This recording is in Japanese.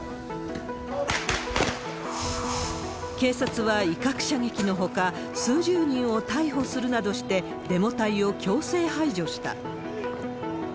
警察は威嚇射撃のほか、数十人を逮捕するなどして、デモ隊を強制排除した。